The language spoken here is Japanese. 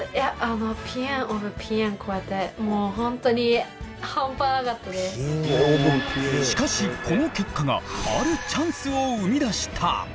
もう本当しかしこの結果があるチャンスを生み出した！